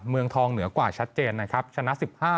เมืองทองเหนือกว่าชัดเจนนะครับชนะ๑๕